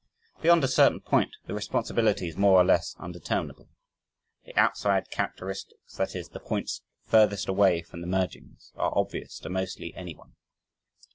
Beyond a certain point the responsibility is more or less undeterminable. The outside characteristics that is, the points furthest away from the mergings are obvious to mostly anyone.